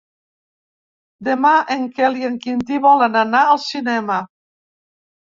Demà en Quel i en Quintí volen anar al cinema.